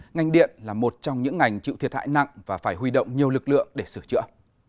ngành điện là một trong những ngành chịu thiệt hại nặng và phải huy động nhiều lực lượng để sửa chữa